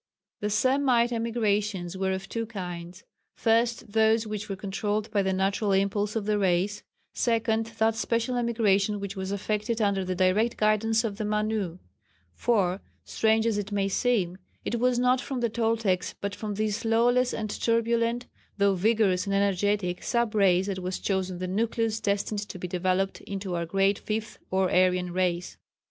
The Semite emigrations were of two kinds, first, those which were controlled by the natural impulse of the race: second, that special emigration which was effected under the direct guidance of the Manu; for, strange as it may seem, it was not from the Toltecs but from this lawless and turbulent though vigorous and energetic sub race that was chosen the nucleus destined to be developed into our great Fifth or Aryan Race.